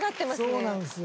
そうなんですよ。